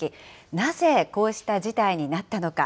なぜこうした事態になったのか。